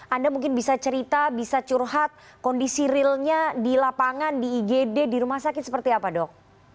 anda mungkin bisa cerita bisa curhat kondisi realnya di lapangan di igd di rumah sakit seperti apa dok